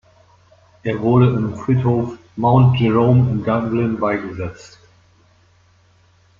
Er wurde im Friedhof Mount Jerome in Dublin beigesetzt.